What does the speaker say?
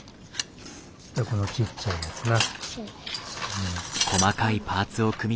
このちっちゃいやつな。